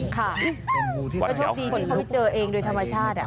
ก็โชคดีคนที่เจอเองโดยธรรมชาติอ่ะ